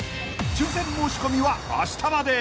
［抽選申し込みはあしたまで］